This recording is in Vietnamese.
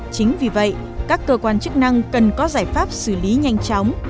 chính vì vậy các cơ quan chức năng cần có giải pháp xử lý nhanh chóng